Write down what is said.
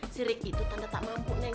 sirik itu tanda tak mampu neng